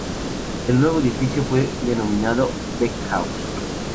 El nuevo edificio fue denominado "Beck House".